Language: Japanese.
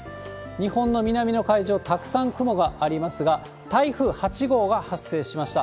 日本の南の海上、たくさん雲がありますが、台風８号が発生しました。